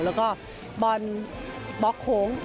แล้วก็บอลบล็อกโค้ง